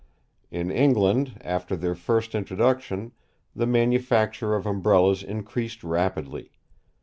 In England, after their first introduction, the manufacture of Umbrellas increased rapidly.